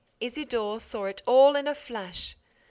Isidore saw it all in a flash.